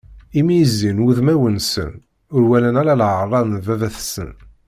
Imi i zzin wudmawen-nsen, ur walan ara leɛra n baba-tsen.